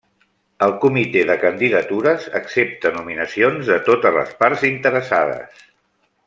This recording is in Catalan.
El Comitè de Candidatures accepta nominacions de totes les parts interessades.